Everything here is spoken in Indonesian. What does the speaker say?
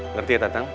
ngerti ya datang